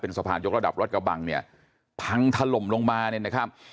สะพานยกระดับรถกระบังเนี่ยพังถล่มลงมาเนี่ยนะครับ